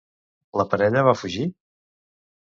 La parella va fugir?